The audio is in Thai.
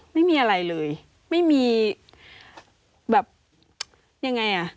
ไม่มีอะไรเลยไม่มีแบบยังไงอ่ะ